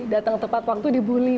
datang tepat waktu di bully